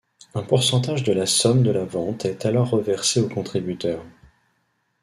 Un pourcentage de la somme de la vente est alors reversé au contributeur.